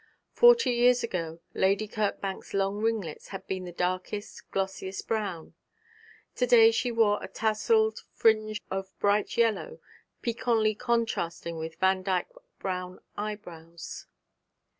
Forty years ago Lady Kirkbank's long ringlets had been darkest glossiest brown, to day she wore a tousled fringe of bright yellow, piquantly contrasting with Vandyke brown eyebrows.